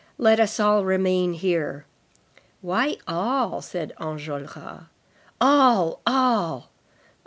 Let us all remain here!" "Why all?" said Enjolras. "All! All!"